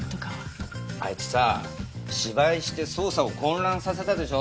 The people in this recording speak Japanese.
あいつさあ芝居して捜査を混乱させたでしょ。